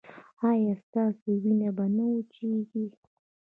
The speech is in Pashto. ایا ستاسو وینه به نه وچیږي؟